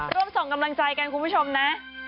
ร่วมส่งกำลังใจกันคุณผู้ชมนะ